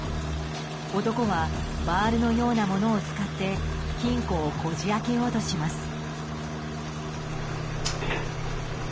男はバールのようなものを使って金庫をこじ開けようとします。